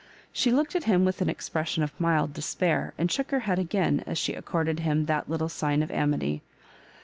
She looked at him with an expression of mUd despair, and shook her head again as she accorded him that sign of amity.